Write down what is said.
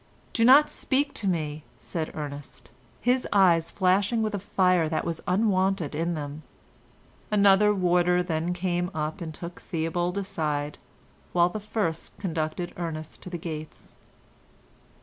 "Do not speak to me," said Ernest, his eyes flashing with a fire that was unwonted in them. Another warder then came up and took Theobald aside, while the first conducted Ernest to the gates.